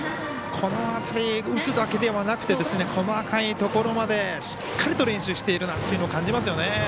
この辺り、打つだけではなくて細かいところまでしっかりと練習しているなというのを感じますよね。